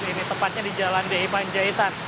ini tepatnya di jalan d i panjaitan